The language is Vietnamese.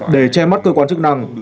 để che mắt cơ quan chức năng